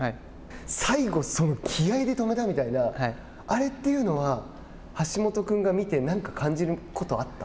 最後その気合いで止めたみたいなあれっていうのは橋本君が見て何か感じることはあった？